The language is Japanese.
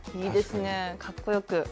いいですねかっこよく。